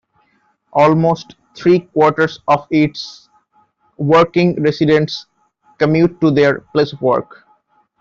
Almost three-quarters of its working residents commute to their place of work.